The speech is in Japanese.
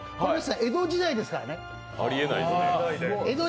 江戸時代ですからね。